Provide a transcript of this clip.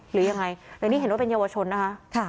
หรือยังไงแต่นี่เห็นว่าเป็นเยาวชนนะคะ